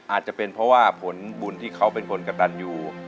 อาจจะเป็นเพราะว่าผลบุญที่เขาเป็นคนกระตันอยู่